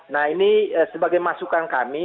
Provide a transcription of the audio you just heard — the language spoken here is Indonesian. nah ini sebagai masukan kami